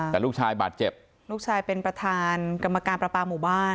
แต่ลูกชายบาดเจ็บลูกชายเป็นประธานกรรมการประปาหมู่บ้าน